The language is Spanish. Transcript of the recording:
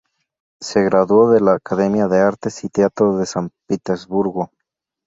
Se graduó de Academia de Artes y Teatro de San Petersburgo.